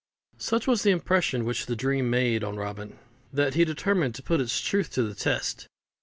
Such was the impression which the dream made on Robin, that he determined to put its truth to the test.